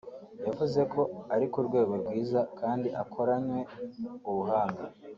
yavuze ko ari ku rwego rwiza kandi akoranywe ubuhanga